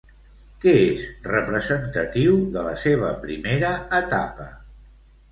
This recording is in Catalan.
Què és representatiu de la seva primera etapa?